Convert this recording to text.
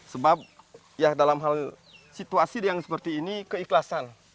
sebab ya dalam hal situasi yang seperti ini keikhlasan